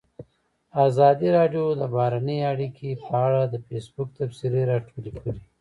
ازادي راډیو د بهرنۍ اړیکې په اړه د فیسبوک تبصرې راټولې کړي.